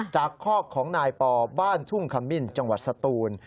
คอกของนายปอบ้านทุ่งขมิ้นจังหวัดสตูน